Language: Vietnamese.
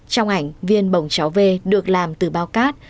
trong ảnh viên bồng cháu v được làm từ bao cát